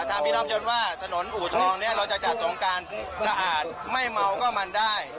ถามพี่น้องยนต์ว่าถนนอู่ทองเนี่ยเราจะจัดสงการสะอาดไม่เมาก็มันได้